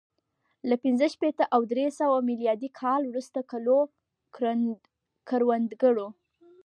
له پنځه شپېته او درې سوه میلادي کال وروسته کلو کروندګرو